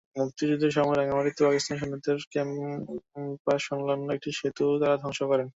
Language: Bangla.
মুক্তিযুদ্ধের সময় রাঙামাটিতে পাকিস্তানি সৈন্যদের ক্যাম্পসংলগ্ন একটি সেতু তাঁরা ধ্বংস করেন।